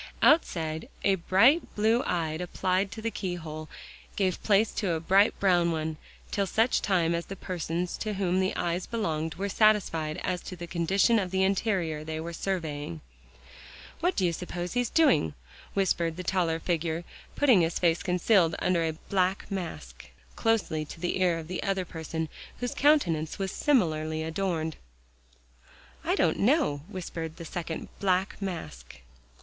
Outside, a bright blue eye applied to the keyhole, gave place to a bright brown one, till such time as the persons to whom the eyes belonged, were satisfied as to the condition of the interior they were surveying. "What do you suppose he's doing?" whispered the taller figure, putting his face concealed under a black mask, closely to the ear of the other person, whose countenance was similarly adorned. "Don't know," whispered the second black mask.